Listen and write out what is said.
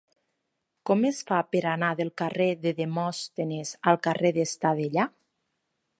Com es fa per anar del carrer de Demòstenes al carrer d'Estadella?